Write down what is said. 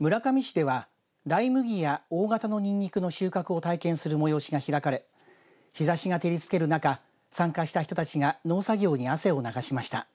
村上市ではライ麦や大型のにんにくの収穫を体験する催しが開かれ日ざしが照りつける中、参加した人たちが農作業に汗を流しました。